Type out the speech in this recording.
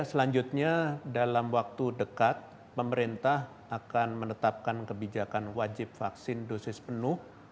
selanjutnya dalam waktu dekat pemerintah akan menetapkan kebijakan wajib vaksin dosis penuh